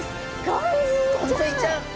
ゴンズイちゃん！